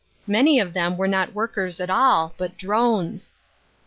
87 many of them were not workers at all, but drones.